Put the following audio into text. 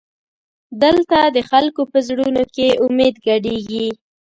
دلته د خلکو په زړونو کې امید ګډېږي.